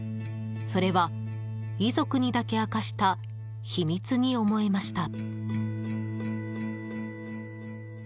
それは、遺族にだけ明かした秘密に思えました。